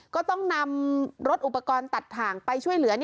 ก็ต้องนำรถอุปกรณ์ตัดถ่างไปช่วยเหลือ